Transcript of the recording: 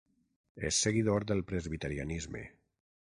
És seguidor del presbiterianisme.